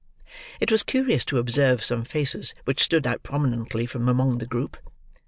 It was curious to observe some faces which stood out prominently from among the group.